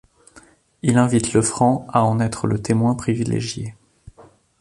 Il invite Lefranc à en être le témoin privilégié.